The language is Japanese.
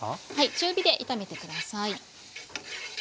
中火で炒めて下さい。